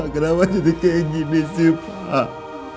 kenapa jadi kayak gini sih pak